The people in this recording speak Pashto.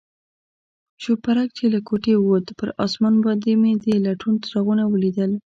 شوپرک چې له کوټې ووت، پر آسمان باندې مې د لټون څراغونه ولیدل.